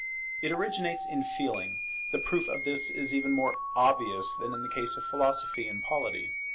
It originates in Feeling; the proof of this is even more obvious than in the case of Philosophy and Polity.